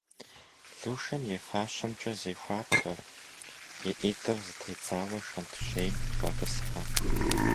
Лушэм и фащэмкӏэ зехуапэ, и ӏитӏыр зэтедзауэ шэнтжьейм къотӏысхьэ.